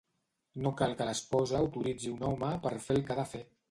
No cal que l'esposa autoritzi un home per fer el que ha de fer.